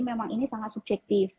memang ini sangat subjektif